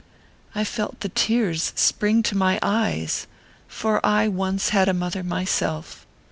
I felt the tears spring to my eyes, for I once had a mother myself.